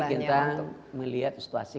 kita melihat situasi